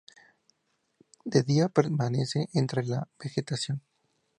De día permanece entre la vegetación.